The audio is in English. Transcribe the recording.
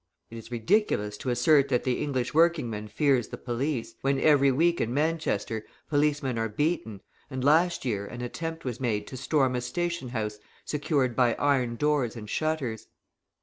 It is ridiculous to assert that the English working man fears the police, when every week in Manchester policemen are beaten, and last year an attempt was made to storm a station house secured by iron doors and shutters.